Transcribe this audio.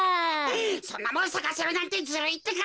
そんなもんさかせるなんてズルいってか。